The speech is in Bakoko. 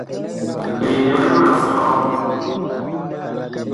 Mi lɛ nɛ ma sɔ ?